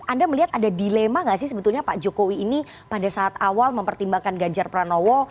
anda melihat ada dilema gak sih sebetulnya pak jokowi ini pada saat awal mempertimbangkan ganjar pranowo